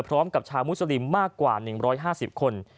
พร้อมกับชาวมุสลิมมากกว่า๑๕๐คน